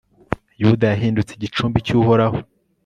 yuda yahindutse igicumbi cy'uhoraho